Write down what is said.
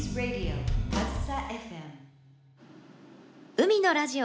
「海のラジオ」